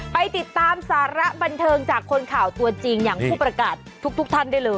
ไปติดตามสาระบันเทิงจากคนข่าวตัวจริงอย่างผู้ประกาศทุกท่านได้เลย